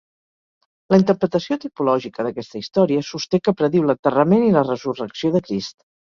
La interpretació tipològica d'aquesta història sosté que prediu l'enterrament i la resurrecció de Crist.